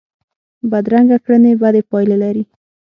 بدرنګه کړنې بدې پایلې لري